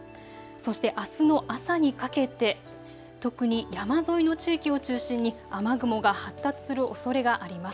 そして、あすの朝にかけて特に山沿いの地域を中心に雨雲が発達するおそれがあります。